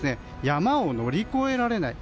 山を乗り越えられない。